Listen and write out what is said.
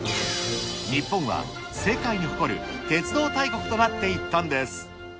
日本は、世界に誇る鉄道大国となっていったんです。